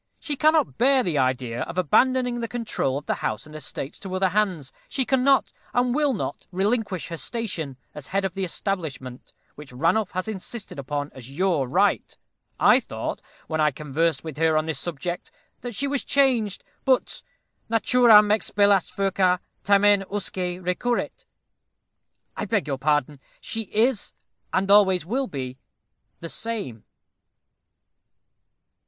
She cannot bear the idea of abandoning the control of the house and estates to other hands. She cannot, and will not relinquish her station, as head of the establishment, which Ranulph has insisted upon as your right. I thought, when I conversed with her on this subject, that she was changed, but Naturam expellas furcâ, tamen usque recurret. I beg your pardon. She is, and always will be, the same."